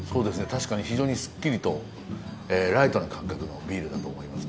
確かに非常にすっきりとライトな感覚のビールだと思いますね。